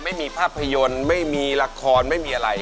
ไม่มีภาพยนตร์ไม่มีละครไม่มีอะไร